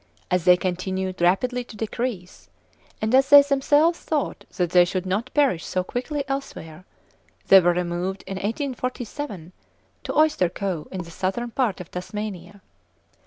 As they continued rapidly to decrease, and as they themselves thought that they should not perish so quickly elsewhere, they were removed in 1847 to Oyster Cove in the southern part of Tasmania.